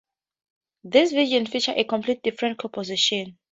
This version features a completely different composition.